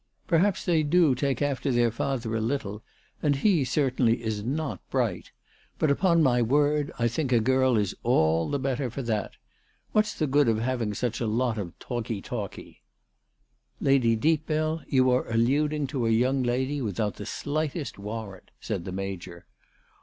Perhaps they do take after their father a little, and he certainly is not bright ; but upon my word, I think a girl is all the better for that. What's the good of having such a lot of talkee talkee ?"" Lady Deepbell, you are alluding to a young lady without the slightest warrant," said the Major.